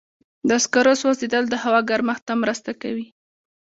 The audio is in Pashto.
د سکرو سوځېدل د هوا ګرمښت ته مرسته کوي.